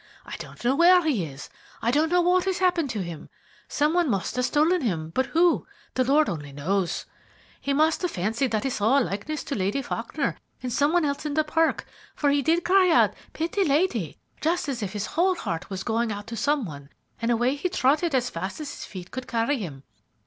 I don't know where he is I don't know what has happened to him. Some one must have stolen him, but who, the Lord only knows. He must have fancied that he saw a likeness to Lady Faulkner in somebody else in the park, for he did cry out, 'Pitty lady,' just as if his whole heart was going out to some one, and away he trotted as fast as his feet could carry him.